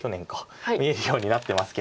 見えるようになってますけど。